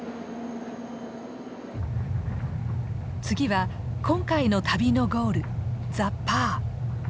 次は今回の旅のゴールザ・パー。